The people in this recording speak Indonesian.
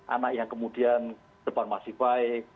anak yang kemudian depan masih baik